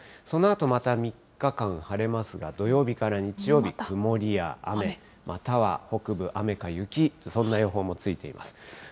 そのあとまた３日間晴れますが、土曜日から日曜日、曇りや雨、または北部雨か雪、そんな予報もついています。